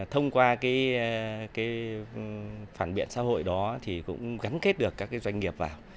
thông qua phản biện xã hội đó thì cũng gắn kết được các doanh nghiệp vào